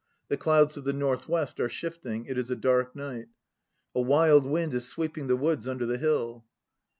The clouds of the north west are shifting; it is a dark night. A wild wind is sweeping the woods under the hill.